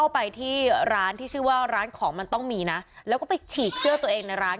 ไปที่ร้านที่ชื่อว่าร้านของมันต้องมีนะแล้วก็ไปฉีกเสื้อตัวเองในร้าน